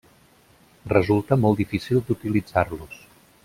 Resulta molt difícil d'utilitzar-los.